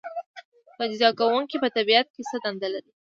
تجزیه کوونکي په طبیعت کې څه دنده لري